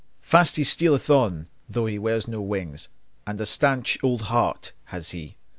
Fast he stealeth on, though he wears no wings, And a staunch old heart has he!